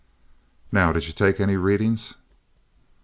"Now, did you take any readings?"